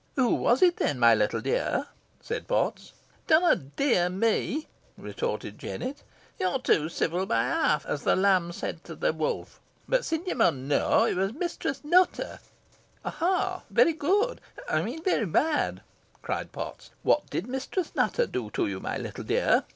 "Who was it then, my little dear," said Potts. "Dunna 'dear' me," retorted Jennet; "yo're too ceevil by half, os the lamb said to the wolf. Boh sin ye mun knoa, it wur Mistress Nutter." "Aha! very good I mean very bad," cried Potts. "What did Mistress Nutter do to you, my little dear?